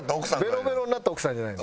ベロベロになった奥さんじゃない。